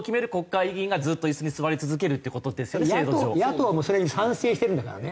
野党もそれに賛成してるんだからね。